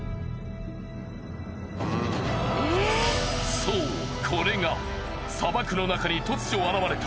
そうこれが砂漠の中に突如現れた。